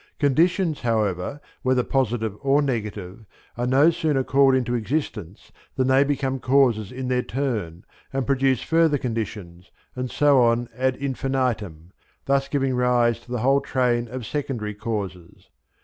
Conditions, however, whether positive or negative, are no sooner called into existence than they become causes in their turn and produce further conditions, and so on ad infinitum, thus giving rise to the whole train of secondary causes.